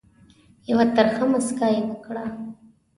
یوه ترخه مُسکا یې وکړه.